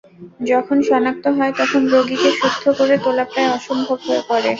যখন শনাক্ত হয়, তখন রোগীকে সুস্থ করে তোলা প্রায় অসম্ভব হয়ে পড়ে।